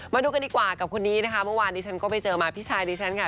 มาดูกันดีกว่ากับคนนี้นะคะเมื่อวานนี้ฉันก็ไปเจอมาพี่ชายดิฉันค่ะ